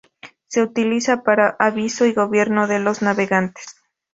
Se utiliza para aviso y gobierno de los navegantes.